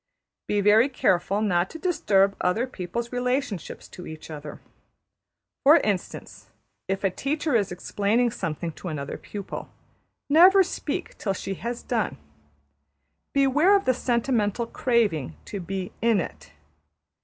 Be very careful not to disturb other people's relationships to each other. For instance, if a teacher is explaining something to another pupil, never speak till she has done. Beware of the sentimental craving to be ``in it.''